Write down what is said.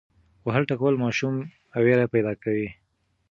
وهل ټکول ماشوم ویره پیدا کوي.